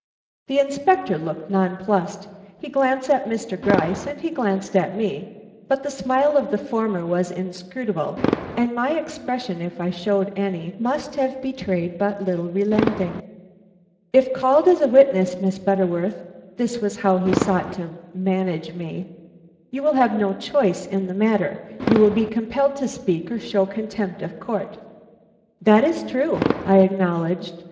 The Inspector looked nonplussed. He glanced at Mr. Gryce and he glanced at me, but the smile of the former was inscrutable, and my expression, if I showed any, must have betrayed but little relenting. "If called as a witness, Miss Butterworth," this was how he sought to manage me, "you will have no choice in the matter. You will be compelled to speak or show contempt of court." "That is true," I acknowledged.